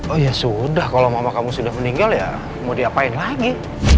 oh ya sudah kalau mama kamu sudah meninggal ya mau diapain lagi